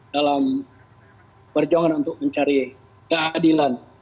dalam perjuangan untuk mencari keadilan